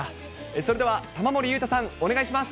それでは玉森裕太さん、お願いします。